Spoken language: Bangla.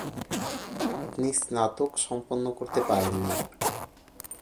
তিনি স্নাতক সম্পন্ন করতে পারেন নি।